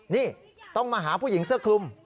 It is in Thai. นี่ต้องมาหาผู้หญิงเสื้อคลุม